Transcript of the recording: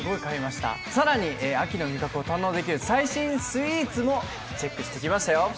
更に秋の味覚を堪能できる最新スイーツもチェックしてきましたよ。